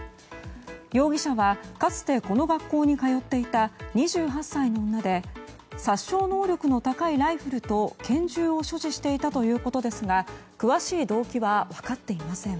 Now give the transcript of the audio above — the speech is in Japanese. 容疑者は、かつてこの学校に通っていた２８歳の女で殺傷能力の高いライフルと拳銃を所持していたということですが詳しい動機は分かっていません。